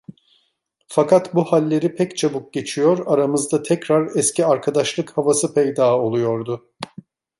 Fakat bu halleri pek çabuk geçiyor, aramızda tekrar eski arkadaşlık havası peyda oluyordu.